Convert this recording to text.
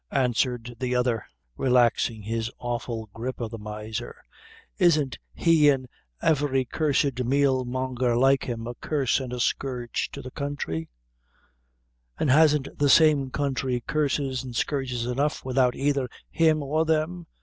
answered the other, relaxing his awful grip of the miser. "Isn't he an' every cursed meal monger like him a curse and a scourge to the counthry and hasn't the same counthry curses and scourges enough widhout either him or them?